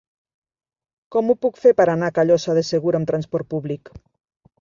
Com ho puc fer per anar a Callosa de Segura amb transport públic?